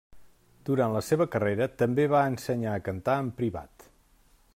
Durant la seva carrera també va ensenyar a cantar en privat.